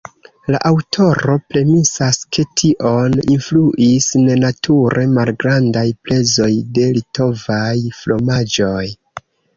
La aŭtoro premisas, ke tion influis nenature malgrandaj prezoj de litovaj fromaĝoj.